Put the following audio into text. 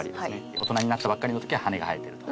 大人になったばっかりの時は羽が生えてると。